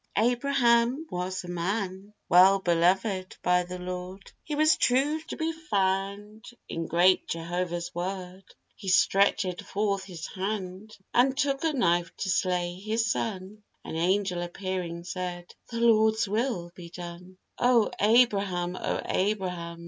Abraham was a man well belovèd by the Lord, He was true to be found in great Jehovah's word, He stretchèd forth his hand, and took a knife to slay his son, An angel appearing said, The Lord's will be done! O, Abraham! O, Abraham!